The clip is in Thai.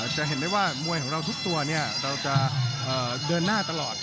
จะเห็นได้ว่ามวยของเราทุกตัวเราจะเดินหน้าตลอด